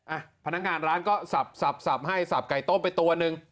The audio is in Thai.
อ่ะพนักงานร้านก็สับสับสับให้สับไก่ต้มไปตัวหนึ่ง